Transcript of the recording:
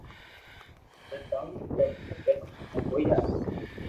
مني ڪاو ڪروُ کپئ ھمج مي ڪوئي آو